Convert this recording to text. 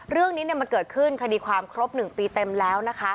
เรื่องนี้มันเกิดขึ้นคดีความครบ๑ปีเต็มแล้วนะคะ